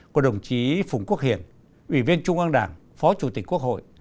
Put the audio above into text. của đồng chí phùng quốc hiển ủy viên trung an đảng phó chủ tịch quốc hội